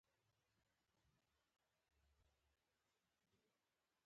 د ريټائرډ منټ نه وروستو رحمان مېډيکل انسټيتيوټ پيښور کښې